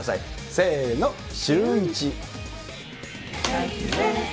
せーのシューイチ。